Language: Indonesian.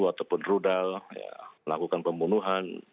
menurut rudal melakukan pembunuhan